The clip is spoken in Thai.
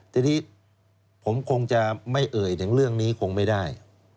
ทีนี้ผมคงจะไม่เอ่ยถึงเรื่องนี้คงไม่ได้